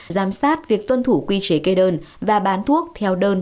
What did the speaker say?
giám sát việc tuân thủ quy chế kê đơn và bán thuốc theo đơn